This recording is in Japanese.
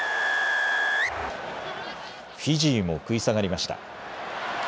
フィジーも食い下がりました。